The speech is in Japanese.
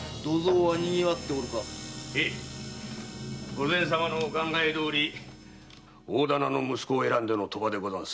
御前様のお考えどおり大店の息子を選んでの賭場。